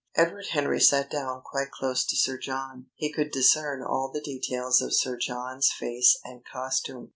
Edward Henry sat down quite close to Sir John. He could discern all the details of Sir John's face and costume.